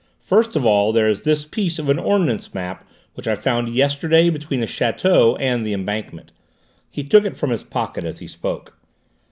"First of all there is this piece of an ordnance map which I found yesterday between the château and the embankment." He took it from his pocket as he spoke.